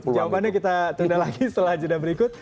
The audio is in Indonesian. jawabannya kita tunda lagi setelah jeda berikut